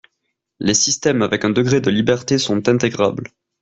les système avec un degré de liberté sont intégrables